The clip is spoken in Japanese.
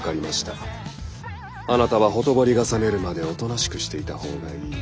あなたはほとぼりが冷めるまでおとなしくしていた方がいい。